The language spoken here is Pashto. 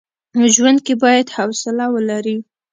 ژوند کي بايد حوصله ولري.